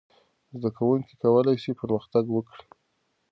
زده کوونکي کولای سي پرمختګ وکړي.